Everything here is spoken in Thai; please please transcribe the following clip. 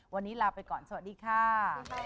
วันนี้ลาไปก่อนสวัสดีค่ะ